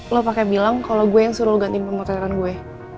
lo pakai bilang kalau gue yang suruh ganti pemoteraan gue